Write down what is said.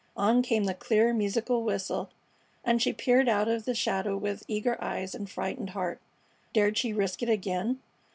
On came the clear, musical whistle, and she peered out of the shadow with eager eyes and frightened heart. Dared she risk it again?